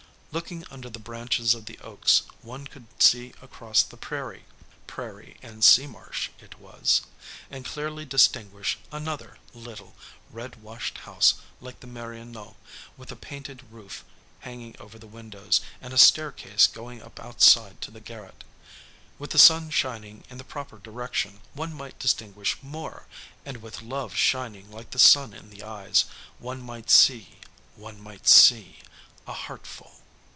Looking under the branches of the oaks, one could see across the prairie, prairie and sea marsh it was, and clearly distinguish another little red washed house like the Mérionaux, with a painted roof hanging over the windows, and a staircase going up outside to the garret. With the sun shining in the proper direction, one might distinguish more, and with love shining like the sun in the eyes, one might see, one might see a heart full.